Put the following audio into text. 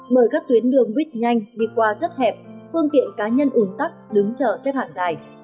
bởi các tuyến đường buýt nhanh đi qua rất hẹp phương tiện cá nhân ủng tắc đứng chở xếp hàng dài